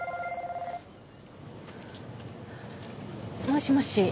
もしもし。